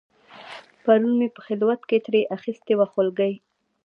پرون مې په خلوت کې ترې اخیستې وه خولګۍ